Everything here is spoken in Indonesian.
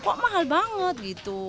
kok mahal banget gitu